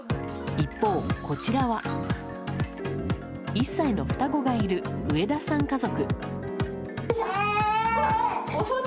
一方、こちらは１歳の双子がいる上田さん家族。